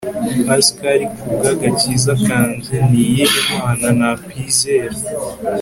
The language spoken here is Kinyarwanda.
Pascal kubwagakiza kanjye niyihe mana nakwizera